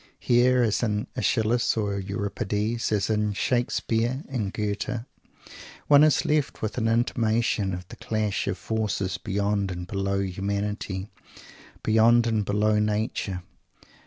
Here, as in Aeschylus and Euripides, as in Shakespeare and Goethe, one is left with an intimation of the clash of forces beyond and below humanity, beyond and below nature.